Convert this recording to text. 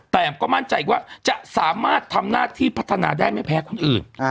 แต่ก็มั่นใจว่าจะสามารถทำหน้าที่พัฒนาได้ไม่แพ้คนอื่น